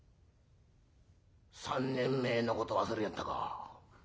「３年前のこと忘れやがったか？